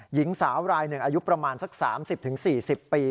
หญิงสาวรายหนึ่งอายุประมาณสัก๓๐๔๐ปี